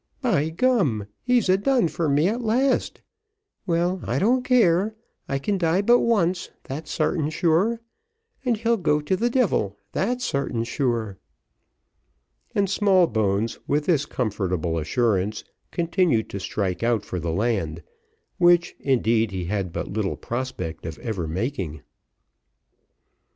"By gum, he's a done for me at last. Well, I don't care, I can die but once, that's sartin sure; and he'll go to the devil, that's sartin sure." And Smallbones, with this comfortable assurance, continued to strike out for the land, which, indeed, he had but little prospect of ever making.